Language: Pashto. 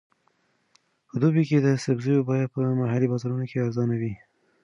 په دوبي کې د سبزیو بیه په محلي بازار کې ارزانه وي.